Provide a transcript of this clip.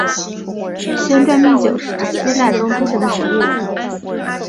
仙馔密酒是指希腊神话中诸神的食物。